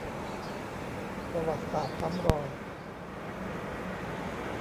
ประวัติศาสตร์ซ้ำรอย